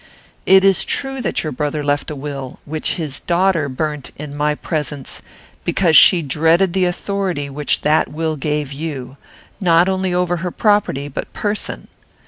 "It is true that your brother left a will, which his daughter burnt in my presence, because she dreaded the authority which that will gave you, not only over her property, but person.